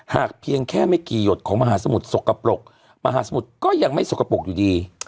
เพียงแค่ไม่กี่หยดของมหาสมุทรสกปรกมหาสมุทรก็ยังไม่สกปรกอยู่ดี